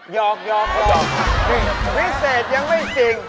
ยอกวิเศษยังไม่จริง